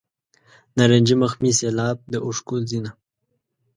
نارنجي مخ مې سیلاب د اوښکو ځینه.